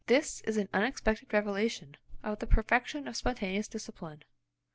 This is an unexpected revelation of the perfection of spontaneous discipline.